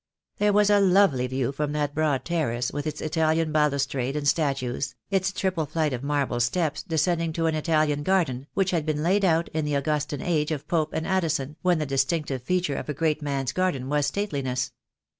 There was a lovely view from that broad terrace, with its Italian balustrade and statues, its triple flight of marble steps descending to an Italian garden, which had been laid out in the xAaigustan age of Pope and Addison, when the distinctive feature of a great man's garden was stateliness.